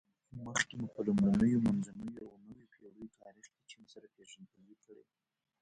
مخکې مو په لومړنیو، منځنیو او نویو پېړیو تاریخ کې چین سره پېژندګلوي کړې.